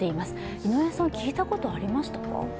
井上さん、聞いたことありましたか？